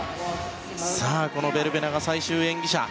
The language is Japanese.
さあ、このベルベナが最終演技者。